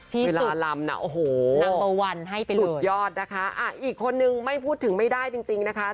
ที่สุดนัมเบอร์วันให้ไปเลยสุดยอดนะคะอีกคนนึงไม่พูดถึงไม่ได้จริงนะคะ